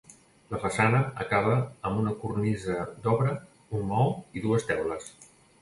La façana acaba amb una cornisa d'obra, un maó i dues teules.